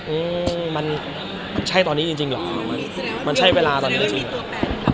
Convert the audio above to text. อืมมันใช่ตอนนี้จริงจริงเหรอมันมันใช่เวลาตอนนี้จริงเหรอ